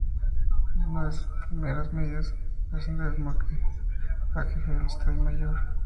Una de sus primeras medidas fue ascender a Moltke a jefe del Estado Mayor.